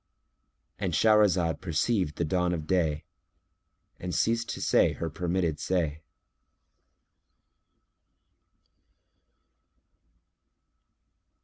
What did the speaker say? ——And Shahrazad perceived the dawn of day and ceased to say her permitted say.